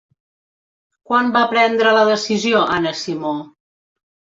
Quan va prendre la decisió Anna Simó?